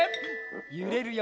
ゆれるよ。